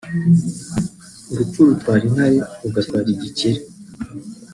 urupfu rutwara intare rugatwara igikeri